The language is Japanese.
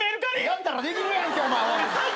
やったらできるやんけ。